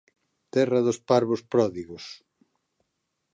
Terra dos parvos pródigos.